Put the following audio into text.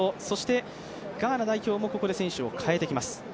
そしてガーナ代表もここで選手を代えていきます。